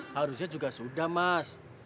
harusnya juga sudah mas